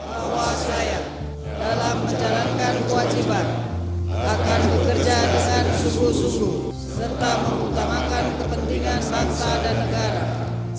bahwa saya dalam menjalankan kewajiban akan bekerja di sana susu susu serta mengutamakan kepentingan bangsa dan negara